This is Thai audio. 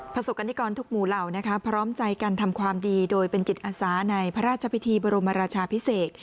ประสบกรณิกรทุกหมู่เหล่านะคะพร้อมใจกันทำความดีโดยเป็นจิตอาสาในพระราชพิธีบรมราชาพิเศษ